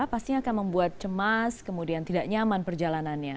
pasti akan membuat cemas kemudian tidak nyaman perjalanannya